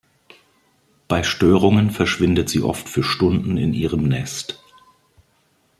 Bei Störungen verschwindet sie oft für Stunden in ihrem Nest.